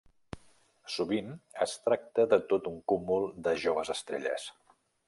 Sovint, es tracta de tot un cúmul de joves estrelles.